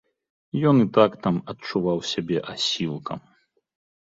Ён і так там адчуваў сябе асілкам.